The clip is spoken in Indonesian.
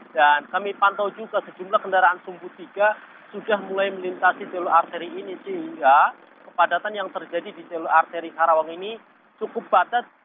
dan kami pantau juga sejumlah kendaraan sumbu tiga sudah mulai melintasi jalur arteri ini sehingga kepadatan yang terjadi di jalur arteri karawang ini cukup batas